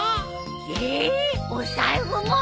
ええっお財布も！？